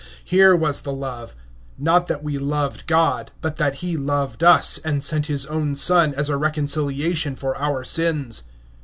(10)Herein is love, not that we loved God, but that he loved us, and sent his Son, a propitiation for our sins.